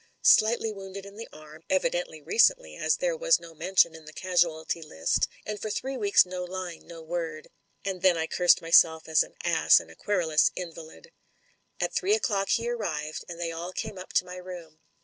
Slightly wounded in the arm, evidently recently as there was no mention in the casualty list, and for three weeks no line, no word. And then I cursed myself as an ass and a querulous invalid. At three o'clock he arrived, and they all came up to my room.